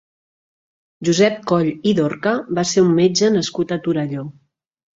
Josep Coll i Dorca va ser un metge nascut a Torelló.